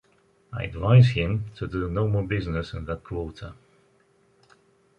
I advise him to do no more business in that quarter.